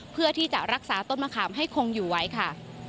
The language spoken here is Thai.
เพื่อที่จะรักษาต้นมะขามให้คงอยู่ไว้ค่ะ